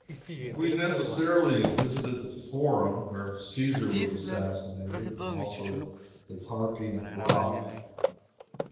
We necessarily visited the Forum, where Caesar was assassinated, and also the Tarpeian Rock.